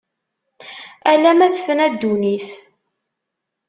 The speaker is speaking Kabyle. Ala ma tefna ddunit.